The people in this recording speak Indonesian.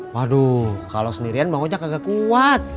waduh kalau sendirian bang ojak agak kuat